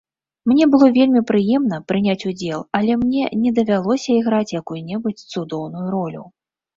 Мне было вельмі прыемна прыняць удзел, але мне не давялося іграць якую-небудзь цудоўную ролю.